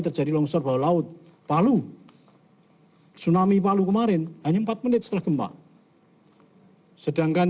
terjadi longsor bawah laut palu tsunami palu kemarin hanya empat menit setelah gempa sedangkan